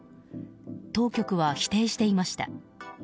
当局は否定していました。